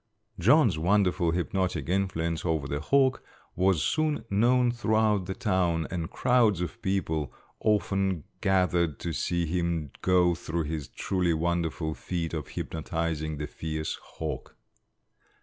John's wonderful hypnotic influence over the hawk was soon known throughout the town and crowds of people often gathered to see him go through this truly wonderful feat of hypnotizing the fierce hawk.